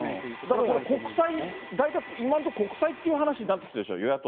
だから国債、大体今のところ、国債っていう話になってきてるでしょ、